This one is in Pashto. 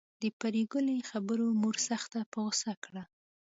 د پري ګلې خبرو مور سخته په غصه کړه